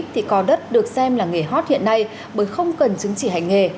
thì có đất được xem là nghề hot hiện nay bởi không cần chứng chỉ hành nghề